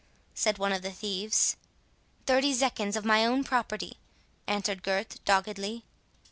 said one of the thieves. "Thirty zecchins of my own property," answered Gurth, doggedly.